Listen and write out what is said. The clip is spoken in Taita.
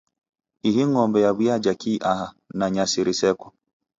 Ihi ng'ombe yaw'iaja kii aha, na nyasi riseko?